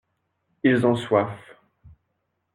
Ils ont soif.